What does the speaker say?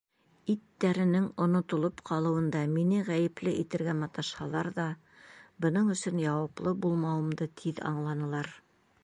Иттәренең онотолоп ҡалыуында мине ғәйепле итергә маташһалар ҙа, бының өсөн яуаплы булмауымды тиҙ аңланылар.